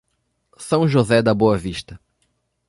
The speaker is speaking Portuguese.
São José da Boa Vista